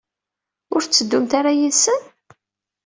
Ur tetteddumt ara yid-sen?